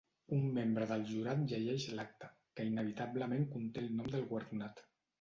Un membre del jurat llegeix l'acta, que inevitablement conté el nom del guardonat.